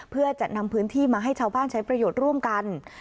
เพื่อจะนำพื้นที่มาให้ชาวบ้านใช้ประโยชน์ร่วมกัน